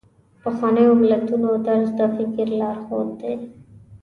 د پخوانیو متلونو درس د فکر لارښود دی.